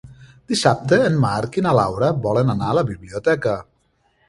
Dissabte en Marc i na Laura volen anar a la biblioteca.